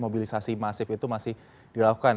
mobilisasi masif itu masih dilakukan